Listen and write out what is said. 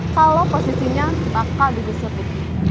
kalo posisinya tak kalah di geser ini